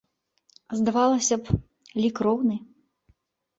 Здавалася б, лік роўны.